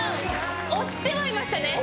押してはいましたね。